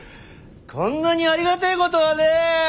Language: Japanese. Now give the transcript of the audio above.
こんなにありがてえことはねえ！